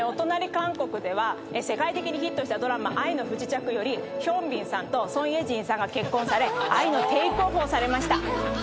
韓国では世界的にヒットしたドラマ『愛の不時着』よりヒョンビンさんとソン・イェジンさんが結婚され愛のテークオフをされました。